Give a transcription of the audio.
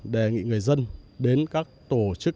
đề nghị người dân đến các tổ chức